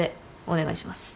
お願いします。